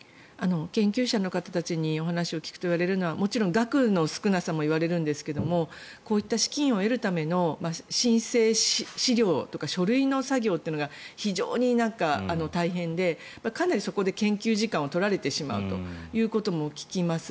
研究者の方たちにお話を聞くといわれるのはもちろん額の少なさも言われるんですがこういった資金を得るための申請資料とか書類の作業というのが非常に大変でかなりそこで研究時間を取られてしまうことも聞きます。